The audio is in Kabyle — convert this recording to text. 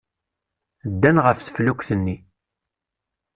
Ddan ɣef teflukt-nni.